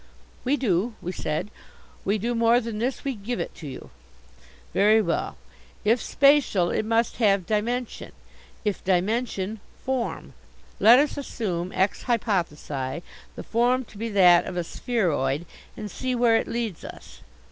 "We do," we said, "we do more than this, we give it to you." "Very well. If spacial, it must have dimension: if dimension form. Let us assume ex hypothesi the form to be that of a spheroid and see where it leads us."